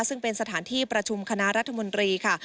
ซึ่งเป็นสถานที่ประชุมคณะรัฐมนตรีค่ะ